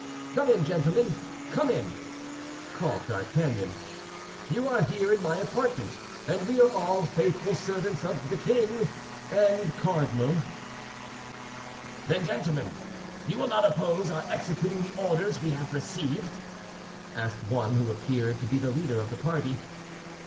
"Come in, gentlemen, come in," called D'Artagnan; "you are here in my apartment, and we are all faithful servants of the king and cardinal." "Then, gentlemen, you will not oppose our executing the orders we have received?" asked one who appeared to be the leader of the party.